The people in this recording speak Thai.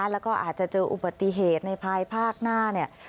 แล้วก็อาจจะเจออุบัติเหตุในภายภาคหน้าเนี่ย